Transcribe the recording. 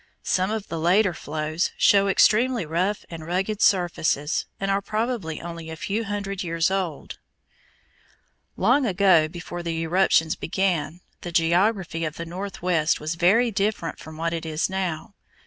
Some of the later flows show extremely rough and rugged surfaces and are probably only a few hundred years old. [Illustration: MAP OF THE COLUMBIA PLATEAU] Long ago, before the eruptions began, the geography of the Northwest was very different from what it is now.